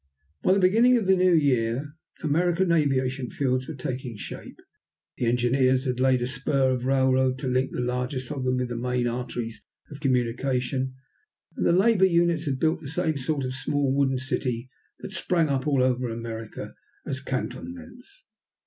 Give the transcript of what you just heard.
By the beginning of the new year American aviation fields were taking shape. The engineers had laid a spur of railroad to link the largest of them with the main arteries of communication, and the labor units had built the same sort of small wooden city that sprang up all over America as cantonments.